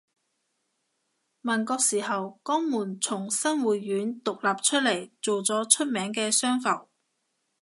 民國時候江門從新會縣獨立出嚟做咗出名嘅商埠